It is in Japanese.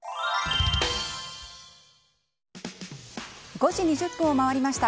５時２０分を回りました。